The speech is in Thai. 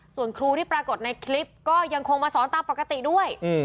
ส่วนครูที่ปรากฏในคลิปก็ยังคงมาสอนตามปกติด้วย